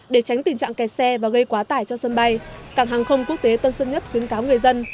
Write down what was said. để tránh tình trạng kẹt xe và gây quá tải cho sân bay cảng hàng không quốc tế tân sơn nhất khuyến cáo người dân